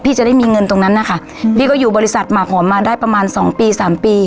จะได้มีเงินตรงนั้นนะคะอืมพี่ก็อยู่บริษัทหมากหอมมาได้ประมาณสองปีสามปี